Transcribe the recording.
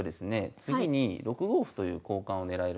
次に６五歩という交換を狙えるんですね。